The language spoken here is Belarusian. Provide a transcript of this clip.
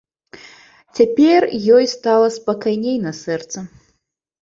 Цяпер ёй стала спакайней на сэрцы.